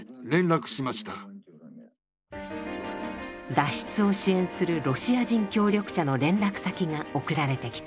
脱出を支援するロシア人協力者の連絡先が送られてきた。